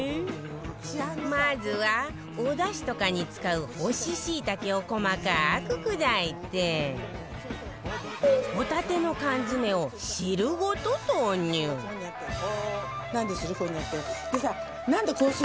まずはお出汁とかに使う干ししいたけを細かく砕いてホタテの缶詰を汁ごと投入でさ。